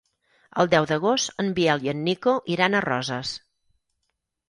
El deu d'agost en Biel i en Nico iran a Roses.